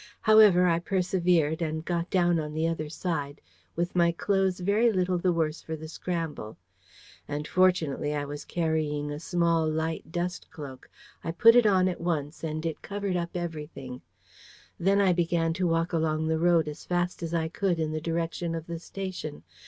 However, I persevered, and got down on the other side, with my clothes very little the worse for the scramble. And, fortunately, I was carrying a small light dust cloak: I put it on at once, and it covered up everything. Then I began to walk along the road as fast as I could in the direction of the station.